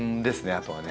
あとはね